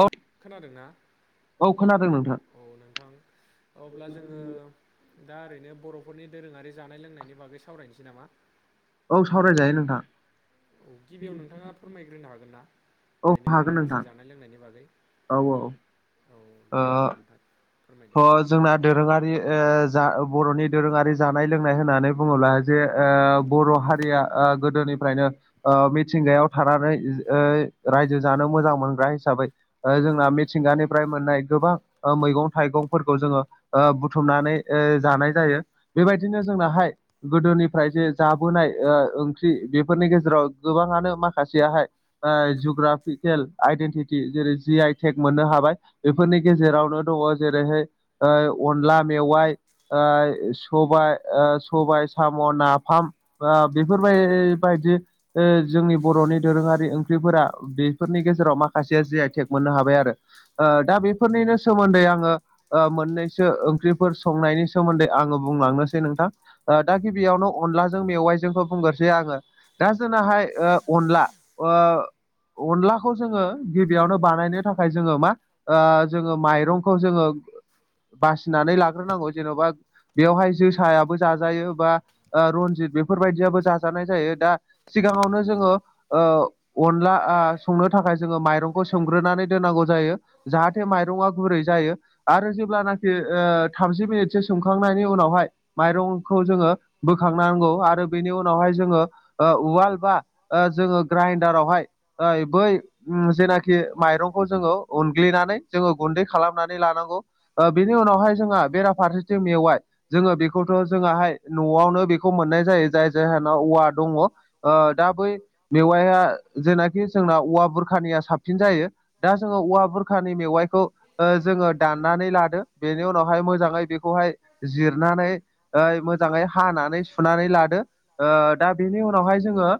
औ खोनादों ना औ नोंथां औ नोंथां अब्ला जोङो दा ओरैनो बर'फोरनि दोरोङारि जानाय लोंनायनि बागै सावरायनोसै नामा औ सावरायजायो नोंथां औ गिबियाव नोंथाङा फोरमायग्रोनो हागोन ना औ ओरैनो हागोन नोंथां माखासे जानाय लोंनायनि बागै औ औ औ दे अब्ला नोंथां फोरमायदो अ जोंना दोरोङारि जा बर'नि दोरोङारि जानाय लोंनाय होननानै बुङोब्ला जे बर' हारिया ओ गोदोनिफ्रायनो ओ मिथिंगायाव थानानै रायजो जानो मोजां मोनग्रा हिसाबै जोंना मिथिंगानिफ्राय मोननाय गोबां मैगं थाइगंफोरखौ जोङो ओ बुथुमनानै ओ जानाय जायो बेबायदिनो जोंनाहाय गोदोनिफ्राय जे जाबोनाय ओ ओंख्रि बेफोरनि गेजेराव गोबाङानो माखासेयाहाय [unintelligible] जग्राफिकेल आइडेन्टिटि जेरै जि आइ टेक मोननो हाबाय बेफोरनि गेजेरावनो दङ जेरैहाय ओ अनला मेवाइ ओ सबाय ओ सबाइ साम' नाफाम बा बेफोरबाय बायदि जोंनि बर'नि दोरोङारि ओंख्रिफोरा बेफोरनि गेजेराव माखासेया जि आइ टेक मोननो हाबाय आरो ओ दा बेफोरनिनो सोमोन्दै आङो मोननैसो ओंख्रिफोर संनायनि सोमोन्दै आङो बुंलांनोसै नोंथां दा गिबियावनो अनलाजों मेवाइजोंखौ बुंग्रोसै आङो दा जोंनाहाय अनला ओ अनलाखौ जोङो गिबियावनो बानायनो थाखाय जोङो मा जोङो माइरंखौ जोङो बासिनानै लाग्रोनांगौ जेन'बा बेवहाय जोसायाबो जाजायो बा रनजित बेफोरबायदियाबो जाजानाय जायो दा सिगाङावनो जोङो अनला संनो थाखाय जोङो माइरंखौ सोमग्रोनानै दोननांगौ जायो जाहाथे माइरं आ गुरै जायो आरो जेब्लानाखि थामजि मिनिटसो सोमखांनायनि उनावहाय माइरंखौ जोङो बोखांनांगौ आरो बेनि उनावहाय जोङो उवाल बा जोङो ग्राइडारावहाय बै जेनाखि माइरंखौ जोङो उनग्लिनानै जोङो गुन्दै खालामनानै लानांगौ बेनि उनावहाय जोंहा बेराफारसेथिं मेवाय जोङो बेखौथ' जोंहाय न'आवनो बेखौ मोननाय जायो जाय जायाहानाव औवा दङ दा बै मेवाया जेनाखि जोंना औवा बुरखानिया साबसिन जायो दा जोङो औवा बुरखानि मेवाइखौ जोङो दाननानै लादो बेनि उनावहाय मोजाङै बेखौहाय जिरनानै मोजाङै हानानै सुनानै लादो दा बेनि उनावहाय जोङो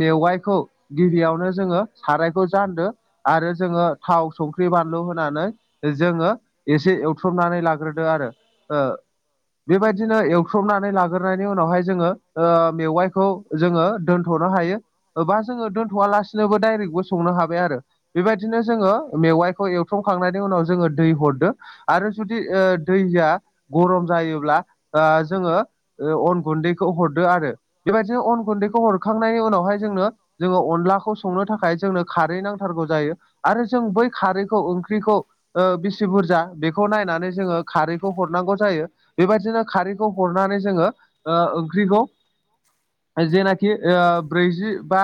मेवाइखौ गिबियावनो जोङो सारायखौ जान्दो आरो जोङो थाव संख्रि बानलु होनानै जोङो एसे एवथ्रबनानै लाग्रोदो आरो बेबायदिनो एवस्रबनानै लाग्रोनायनि उनावहाय जोङो ओ मेवाइखौ जोङो दोन्थ'नो हायोबा जोङो दोन्थ'वा लासिनोबो दडायरेक्टबो संनो हाबाय आरो बेबायदिनो जोङो मेवाइखौ एवथ्रमखांनायनि उनाव जोङो दै हरदों आरो जुदि दैया गरम जायोब्ला जोङो अन गुन्दैखौ हरदो आरो बेबायदिनो अन गुन्दैखौ हरखांनायनि उनावहाय जोंनो जोङो अनलाखौ संनो थाखाय जोंनो खारै नांथारगौ जायो आरो जों बै खारैखौ ओंख्रिखौ बिसि बुरजा बेखौ नायनानै जोङो खारैखौ हरनांगौ जायो बेबायदिनो खारैखौ हरनानै जोङो ओंख्रिखौ जेनाखि खि ब्रैजि बा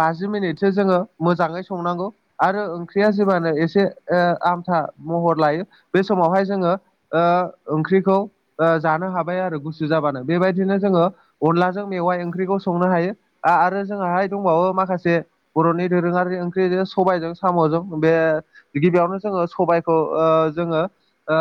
बाजि मिनिटसो जोङो मोजाङै संनांगौ आरो ओंख्रिया जेबानो एसे ओ आमथा महर लायो बे समावहाय ओ जोङो ओंख्रिखौ ओ जानो हाबाय आरो गुसु जाबानो बेबायदिनो जोङो अनलाजों मेवाइ ओंख्रिखौ संनो हायो आरो जोंहाहाय दंबावो माखासे बर'नि दोरोङारि ओंख्रिजों सबायजों साम'जों बे गिबियावनो जोङो सबायखौ जोङो ओ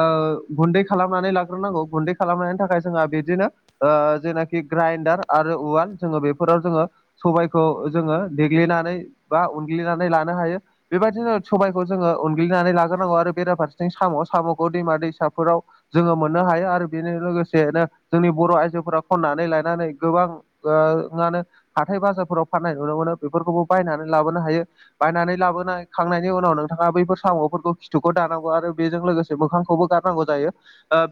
गुन्दै खालामनानै लाग्रोनांगौ गुन्दै खालामनायनि थाखाय जोंहा बिदिनो ओ जेनाखि ग्राइडार आरो उवाल जोङो बेफोराव जोङो सबायखौ जोङो देग्लिनानै बा उनग्लिनानै लानो हायो बेबायदिनो सबबायखौ जोङो उनग्लिनानै लाग्रोनांगौ आरो बेराफारसेथिं साम' साम'खौ दैमा दैसाफोराव जोङो मोननो हायो आरो बेजों लोगोसेनो जोंनि बर' आइजोफोरा खन्नानै लानानै गोबां ओ मानो हाथाय बाजारफोराव फाननाय नुनो मोनो बेफोरखौबो बायनानै लाबोनो हायो बायनानै लाबोनायखांनायनि उनाव नोंथाङा बैफोर साम'फोरखौ खिथुखौ दानांगौ आरो बेजों लोगोसे मोखांखौबो गारनांगौ जायो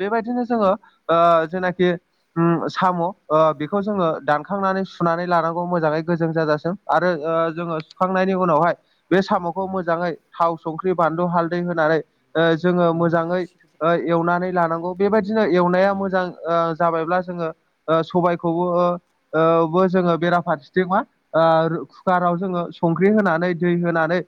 बेबायदिनो जोङो ओ जेनाखि ओम साम' ओ बेखौ जोङो दानखांनानै सुनानै लानांगौ मोजाङै गोजों जाजासिम आरो ओ जोङो सुखांनायनि उनावहाय बे साम'खौ मोजाङै थाव सं बानलु हालदै होनानै ओ जोङो मोजाङै ओ एवनानै लानांगौ बेबायदिनो एवनाया मोजां ओ जाबायब्ला ओ जोङो सबायखौबो ओ बो जोङो बेराफारसेथिं मा ओ कुकाराव जोङो संख्रि होनानै दै होनानै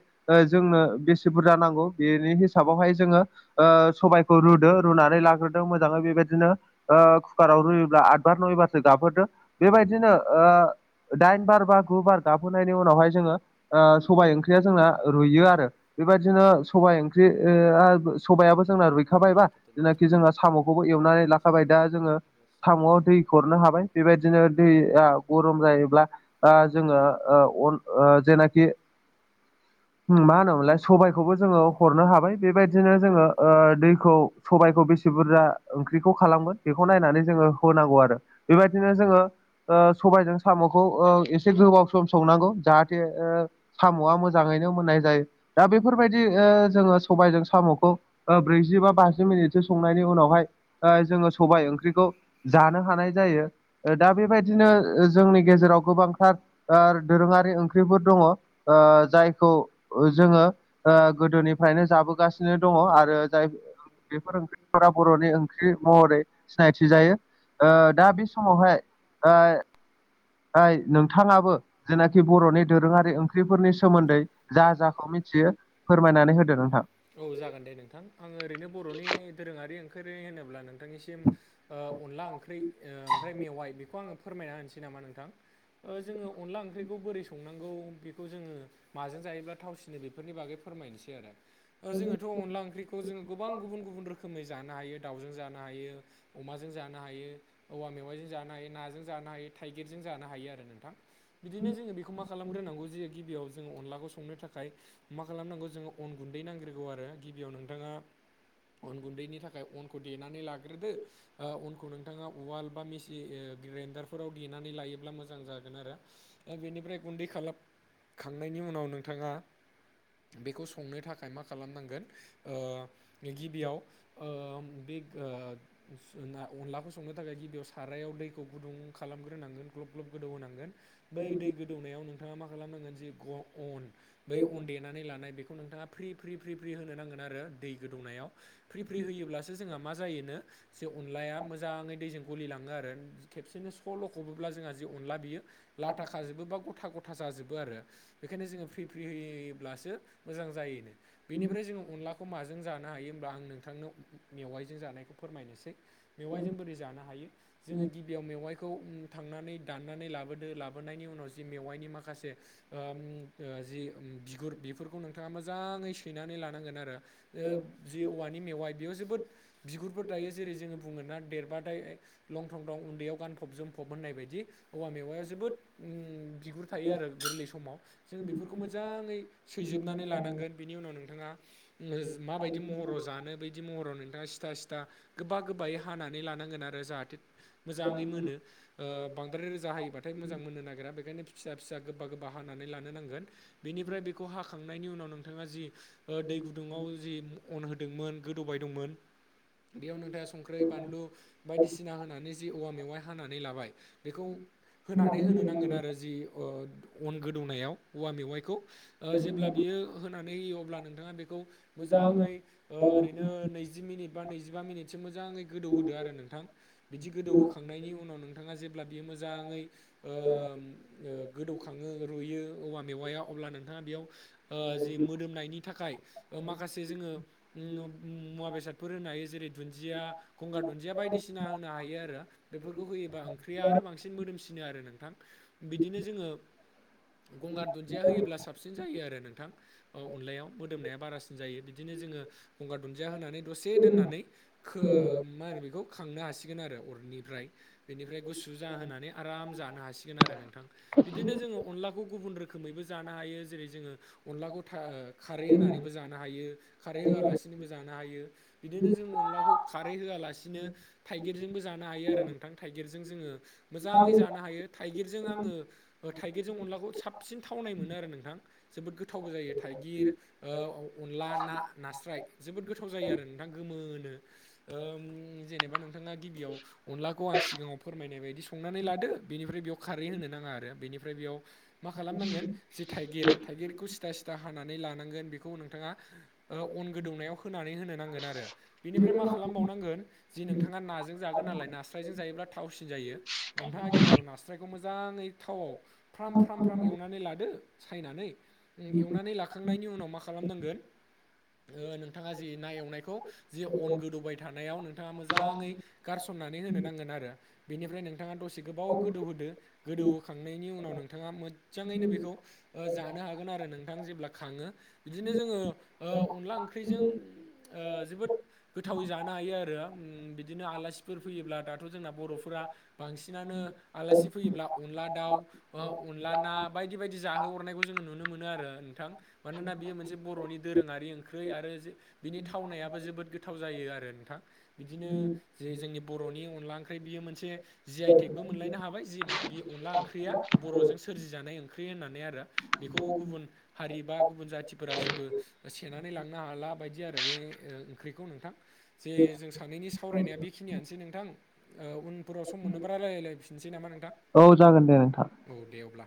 जोंनो बेसे बुरजा बेनि हिसाबावहाय जोङो ओ सबाइखौ रुदो रुनानै लाग्रो दो मोजाङै बेबायदिनो ओ कुकाराव रुयोब्ला आत बार नय बारसो गाबहोदो बेबायदिनो ओ दाइन बार बा गु बार गाबहोनायनि उनावहाय ओ जोङो सबबाय ओंख्रिया जोंना रुइयो आरो बेबायदिनो सबाय ओंख्रि सबायाबो जोंना रुइखाबायबा जेनाखि जोंङो साम'खौबो एवनानै लाख थाबाय दा जोङो साम'आव दै हरनो हाबाय बेबायदिनो दैआ गरम जायोब्ला ओ जोङो ओ अन जेनाखि मा होनोमोनलाय सबायखौबो जोङो हरनो हाबाय बेबायदिनो जोङो दैखौ सबायखौ बेसे बुरजा ओंख्रिखौ खालामगोन बेखौ नायनानै जोङो होनांगौ आरो बेबायदिनो जोङो सबायजों साम'खौ एसे गोबाव सम संनांगौ जाहाथे ओ साम'आ मोजाङै जायो दा बेफोरबायदि ओ जोङो सबायजों साम'खौ ब्रैजि बा बाजि मिनिटसो संनायनि उनावहाय ओ जोङो सबाय ओंख्रिखौ जानो हानाय जायो दा बेबायदिनो जोंनि गेजेराव गोबांथार ओ दोरोङारि ओंख्रिफोर दङ ओ जायखौ जोङो ओ गोदोनिफ्रायनो जाबोगासिनो दङ आरो जाय बेफोर ओंख्रिफोरा बर'नि ओं ख्रि महरै सिनायथि जायो ओ दा बे समावहाय ओ नोंथाङाबो जेनाखि बर'नि दोरोङारि ओंख्रिफोरनि सोमोन्दै जा जाखौ मिथि एसे फोरमायनानै होदो नोंथां औ जागोन दे नोंथां आङो ओरैनो बर'नि दोरोङारि ओंख्रिहोनोब्ला नों नोंथांनिसिम अनला ओंख्रि ओमफ्राय मेवाइ बेखौ आङो फोरमायना होनसै नामा नोंथां ओ जोङो अनला ओंख्रिखौ बोरै सं संनांगौ बेखौ जोङो माजों जायोब्ला थावसिनो बेफोरनि बागै फोरमायनोसै आरो जोङो थ' अनला ओंख्रिखौ जोङ गोबां गुबुन गुबुन रोखोमै जानो हायो दाउजों जानो हायो अमाजों जानो हायो औवा मेवाइजों जानो हायो नाजों जानो हायो थाइगिरजों जानो हायो आरो नोंथां बिदिनो जोङो बेखौ मा खालामग्रोनांगौ जे गिबियाव जोङो अनलाखौ संनो थाखाय मा खालामनांगौ जोङो अन गुन्दै नांग्रोगोन आरो गिबियाव नोंथाङा अन गुन्दैनि थाखाय अनखौ देनानै लाग्रोदो ओ अनखौ नों नोंथाङा उवाल बा मेसि ओ ग्राइनडारफोराव देनानै लायोब्ला मोजां जागोन आरो। दा बेनिफ्राय गुन्दै खालामखांनायनि उनाव नोंथाङा बेखौ संनो थाखाय मा खालामनांगोन ओ बे गिबियाव ओ बे ओ सुना अनलाखौ सु बेयाव सारायाव दैखौ गुदुं खालामग्रोनांगोन ग्लब ग्लब गोदौ होनांगोन बै दै गो गोदौनायाव नोंथाङा मा खालामनांगोन जि ग अन बै अन देनानै लानाय बे खौ नोंथाङा फ्रि फ्रि फ्रि फ्रि होनो नांगोन आरो दै गोदौनायाव। फ्रि फ्रि होयोब्लासो जोंहा मा जायोनो जे अनलाया मोज मोजाङै दैजों गलिलाङो आरो खेबसेनो स'ल'खबोब्ला जोंहा जि अनला बियो लाथा खाजोबो बा गथा गथा जाजोबो आरो। बेखायनो जोङो फ्रि फ्रि होयोब्लासो मोजां जायोनो। बेनिफ्राय जोङो अनलाखौ माजों जानो हायो होनबा आं नोंथांनो मेवाइजों जानायखौ फोरमायनोसै। मेवाइजों बोरै जानो हायो जोङो गिबियाव मेवाइखौ उम थांनानै दाननानै लाबोदो लाबोनायनि उनाव जि मेवाइनि माखासे ओम ओ जि उम बिगुर बेफोरखौ नोंथाङा मोजाङै सैनानै लानांगोन आरो। ओ जि औवानि मेवाइ बेयाव जोबोद बिगुरफोर दायो जेरै जोंङो बुङोना देरबाथाय लं थं थं उन्दैयाव गानफब जोमफब होननाय बायदि। औवा मेवाया जोबोद उम बिगुर थायो आरो गोरलै समाव जों बेफोरखौ मोजाङै सैजोबनानै लानांगोन बिनि उनाव नों थांङा ओ माबायदि महराव जानो बिदि महराव नोंथाङा सिथा सिथा गोबा गोबायै हानानै लानांगोन आरो जाहाथे मोजाङै मोनो ओ बांद्राय रोजा हायोबाथाय मोजां मोननो नागिरा बेखायनो फिसा फिसा गोबा गोबा हानानै लानो नांगोन। बेनिफ्राय बेखौ हाखांनायनि उनाव नोंथाङा जि ओ दै गुदुङाव जि अन होदोंमोन गोदौबायदोंंमोन बेयाव नोंथां संख्रि बानलु बायदिसिना होनानै जि औवा मेवाइ हानानै लाबाय बेखौ होनानै होनो नांगोन आरो जि ओ अन गोदौनायाव औवा मेवाइखौ ओ जेब्ला बियो होनानै होयो अब्ला नोंथाङा बेखौ मोजाङै ओ ओरैनो नैजि मिनिट बा नैजिबा मिनिट एसे मोजाङै गोदौ होदो आरो नोंथां बिदि गोदौ होखांनायनि उनाव नोंथाङा जे ब्ला बियो मोजाङै ओम ओ गोदौखाङो रुयो औवा मेवाया अब्ला नोंथाङा बेयाव ओ जि मोदोमनायनि थाखाय ओ माखासे जोंङो मु मुवा बेसाद फोर होनो हायो जेरै दुन्दिया गंगार दुन्दिया बायदिसिना होनो हायो आरो बेफोरखौ होयोबा ओंख्रिया आरो बांसिन मोदोमसिन नो आरो नोंथां बिदिनो जोंङो गंगार दुन्दिया होयोब्ला साबसिन जायो आरो नोंथां। ओ अनलायाव मोदोमनाया बारासिन जायो बिदिनो जोंङो गंगार दुन्दिया होनानै दसे दोननानै खो मा होनो बेखौ खांनो हासिगोन आरो अरनिफ्राय बेनिफ्राय गुसु जाहोनानै आराम जानो हासिगोन आरो नोंथां। बिदिनो जोंङो अनलाखौ गुबुन रोखोमैबो जानो हायो जेरै जोंङो अनलाखौ था खारै होननानैबो जानो नो हायो खारै होआलासिनोबो जानो हायो बिदिनो जों अनला खौ खारै होआलासिनो थाइगिरजोंबो जानो हायो आरो नोंथां थाइगिरजों जोंङो मोजाङै जानो हायो थाइगिरजों आङो थाइगिरजों अनलाखौ साबसिन थावनाय मोनो आरो नोंथां। जोबोद गोथावबो जायो थाइगिर ओ अनला ना नास्राय जोबोद गोथाव जायो आरो नोंथां गोमोनो। ओ उम जेनेबा नोंथाङा गिबियाव अनलाखौ आं सिगाङाव फोरमायनाय बायदि संनानै लादो बेनिफ्राय बेयाव खारै होनो नाङा आरो बेनिफ्राय बेयाव मा खालामनांगोन जे थाइगिर थाइगिरखौ सिदा सिदा हानानै लानांगोन बेखौ नोंथाङा अन गोदौनायाव होनानै होनो नांगोन आरो बेनिफ्राय मा खालामबावनां गोन जि नोंथाङा नाजों जागोन नालाय नास्रायजों जायोब्ला थावसिन जायो। नोंथाङा गिबियाव नास्रायखौ मोजाङै थावआव फ्राम फ्राम फ्राम एवनानै लादो सायनानै एवनानै लाखांनायनि उनाव मा खालामनांगोन ओ नोंथाङा जि ना एवनायखौ जि अन गोदौबाय थानायाव नोंथाङा मोजाङै गारसननानै होनो नांगोन आरो। बेनिफ्राय नोंथाङा दसे गोबाव गोदौहोदो गोदौ होखांनायनि उनाव नोंथाङा मोजाङैनो बेखौ ओ जानो हागोन आरो नोंथां जेब्ला खाङो। बिदिनो जोंङो ओ अनला ओंख्रिजों ओ जोबोद गोथावै जानो हायो आरो उम बिदिनो आलासिफोर फैयोब्ला दाथ' जोंना बर'फोरा बांसिनानो आलासि फैयोब्ला अनला दाउ बा अनला ना बायदि बायदि जाहोहरनायखौ जोंङो नुनो मोनो आरो नोंथां। मानोना बियो मोनसे बर'नि दोरोङारि ओंख्रै आरो जो बिनि थावनायाबो जोबोद गो थाव जायो आरो नोंथां बिदिनो जे जोंनि बर'नि अनला ओंख्रि बियो मोनसे जि आइटेकबो मोनलायनो हाबाय जि बे अनला ओंख्रिया बर'जों सोरजि जानाय ओंख्रि होननानै आरो। बेखौ गुबुन हारि बा गुबुन जाथिफोरा जेबो सेनानै लांनो हाला बायदि आरो बे ओंख्रिखौ नोंथां जे जों सानैनि सावरायनाया बेखिनियानोसै नोंथां ओ उन फोराव सम मोननोबा रायरायलायफिननोसै नामा नोंथां औ जागोन दे नोंथां औ दे अब्ला